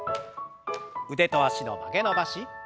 腕と脚の曲げ伸ばし。